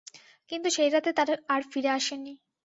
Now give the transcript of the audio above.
কিন্তু সেইরাতে তারা আর ফিরে আসেনি।